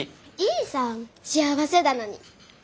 いいさあ幸せだのに。